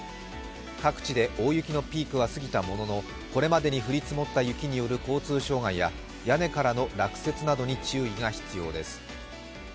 各地で大雪のピークは過ぎたもののこれまでに降り積もった雪による交通障害や屋根からの落雪などに注意が必要です。